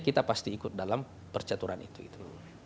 kita pasti ikut dalam percaturan itu itu